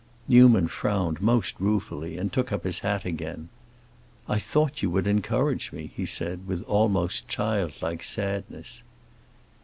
Newman frowned most ruefully, and took up his hat again. "I thought you would encourage me!" he said, with almost childlike sadness.